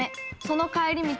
その帰り道。